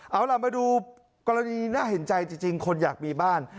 เอาล่ะมาดูกรณีน่าเห็นใจจริงคนอยากมีบ้าน